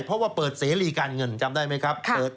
เพราะว่าเปิดเสรีการเงินจำได้ไหมครับ